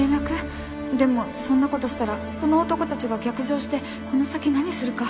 でもそんなことしたらこの男たちが逆上してこの先何するか。